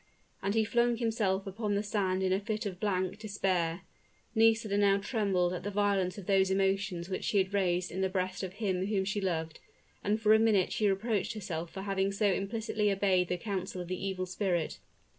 And he flung himself upon the sand in a fit of blank despair. Nisida now trembled at the violence of those emotions which she had raised in the breast of him whom she loved; and for a minute she reproached herself for having so implicitly obeyed the counsel of the evil spirit.